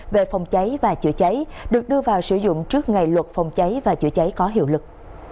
về phòng cháy và chữa cháy được đưa vào sử dụng trước ngày luật phòng cháy và chữa cháy có hiệu lực